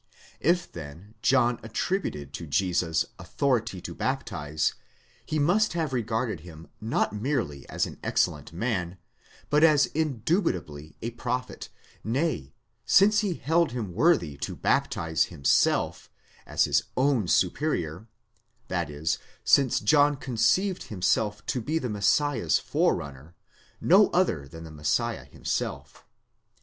If then John attributed to Jesus authority to baptize, he must have regarded him not merely as an excellent man, but as indubitably a prophet, nay, since he held him worthy to baptize himself, as his own superior : that is, since John conceived himself to be the Messiah's Forerunner, no other than the Messiah himself.